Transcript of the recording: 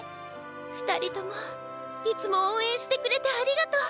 ふたりともいつもおうえんしてくれてありがとう。